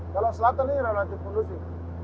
kalau selatan ini relatif kondusif